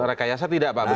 rekayasa tidak pak begitu ya